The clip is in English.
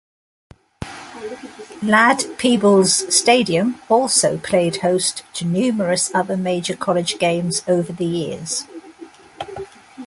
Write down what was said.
Ladd-Peebles Stadium also played host to numerous other major college games over the years.